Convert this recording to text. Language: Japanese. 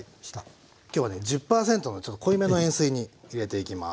今日はね１０％のちょっと濃いめの塩水に入れていきます。